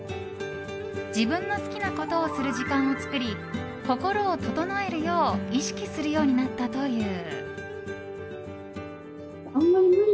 自分の好きなことをする時間を作り心を整えるよう意識するようになったという。